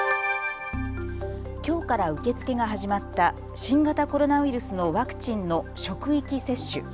きょうから受け付けが始まった新型コロナウイルスのワクチンの職域接種。